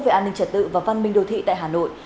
về an ninh trật tự và văn minh đô thị tại hà nội